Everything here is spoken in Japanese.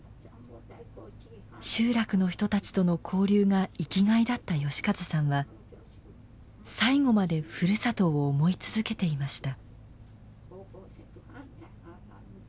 集落の人たちとの交流が生きがいだった義計さんは最後までふるさとを思い続けていました。